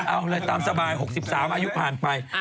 เอาเลยตามสบาย๖๓อายุผ่านไป